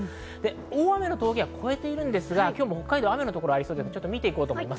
大雨の峠は越えてますが今日も雨の所がありそうです。